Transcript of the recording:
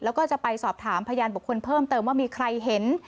แล้วก็จะไปสอบถามพยานบุคคลเพิ่มเติมว่ามีใครเห็น